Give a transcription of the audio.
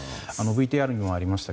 ＶＴＲにもありました